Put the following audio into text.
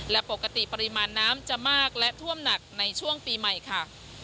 และปกติปริมาณน้ำจะมากและท่วมหนักในช่วงปีใหม่ค่ะ